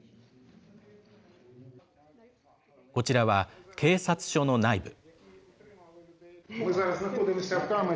こちらは警察署の内部。